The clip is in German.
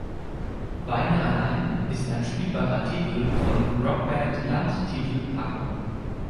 „Weine allein“ ist ein spielbarer Titel von „Rock Band Land Titel Packung“.